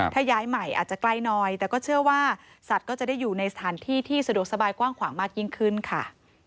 ถ้าย้ายใหม่อาจจะใกล้น้อยแต่ก็เชื่อว่าสัตว์ก็จะได้อยู่ในสถานที่ที่สะดวกสบายกว้างขวางมากยิ่งขึ้นค่ะ